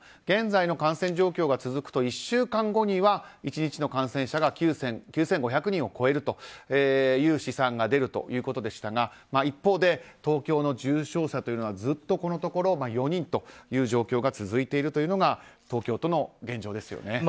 現在の感染状況が続くと１週間後には１日の感染者が９５００人を超えるという試算が出るということでしたが一方で東京の重症者というのはずっと４人という状況が続いているのが東京都の現状ですよね。